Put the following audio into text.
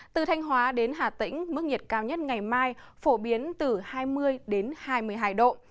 từ thanh hóa đến hà tĩnh mức nhiệt cao nhất ngày mai phổ biến từ hai mươi đến hai mươi hai độ